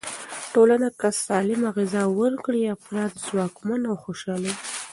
ټولنه که سالمه غذا ورکړي، افراد ځواکمن او خوشحاله وي.